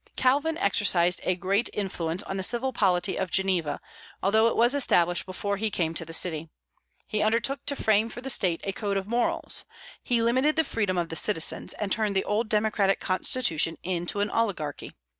Calvin exercised a great influence on the civil polity of Geneva, although it was established before he came to the city. He undertook to frame for the State a code of morals. He limited the freedom of the citizens, and turned the old democratic constitution into an oligarchy.